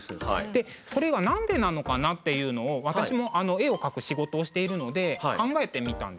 でそれはなんでなのかなっていうのを私も絵を描く仕事をしているので考えてみたんですね。